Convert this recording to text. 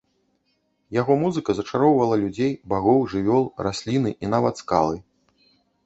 Яго музыка зачароўвала людзей, багоў, жывёл, расліны і нават скалы.